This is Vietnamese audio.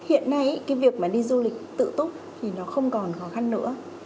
hiện nay việc đi du lịch tự túc thì nó không còn khó khăn nữa